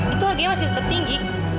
itu dia masih tetap tinggi